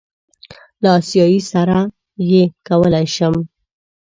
له آسیایي سره یې کولی شم.